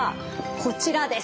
こちらです。